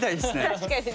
確かにね。